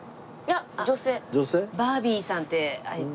バービーさんってえっと。